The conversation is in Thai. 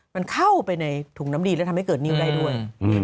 มันเข้าไปในถุงน้ำดีแล้วทำให้เกิดนิ้วได้ด้วย